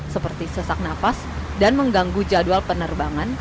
seperti sesak nafas dan mengganggu jadwal penerbangan